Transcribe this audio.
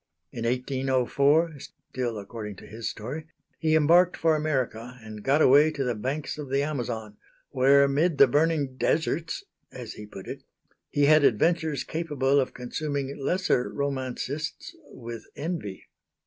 In 1804 (still according to his story), he embarked for America and got away to the banks of the Amazon, where amid the burning deserts (as he put it) he had adventures capable of consuming lesser romancists with envy.